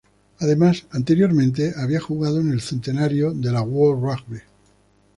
Además anteriormente había jugado en el centenario de la World Rugby.